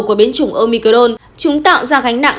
của biến chủng omicron chúng tạo ra gánh nặng